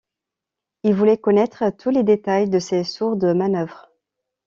Il voulait connaître tous les détails de ces sourdes manœuvres.